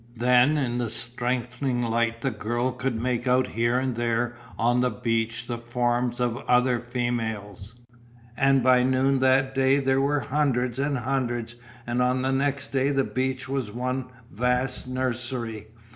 Then in the strengthening light the girl could make out here and there on the beach the forms of other females, and by noon that day there were hundreds and hundreds, and on the next day the beach was one vast nursery.